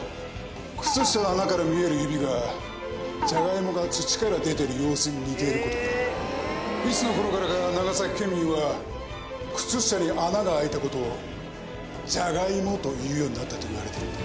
靴下の穴から見える指がじゃがいもが土から出てる様子に似ていることからいつの頃からか長崎県民は靴下に穴があいたことをじゃがいもと言うようになったと言われてるんだ。